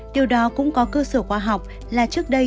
điều đó cũng có cơ sở khoa học là trước đây